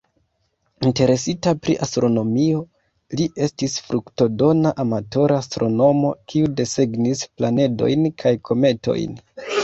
Interesita pri astronomio, li estis fruktodona amatora astronomo, kiu desegnis planedojn kaj kometojn.